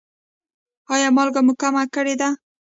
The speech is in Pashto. ایا مالګه مو کمه کړې ده؟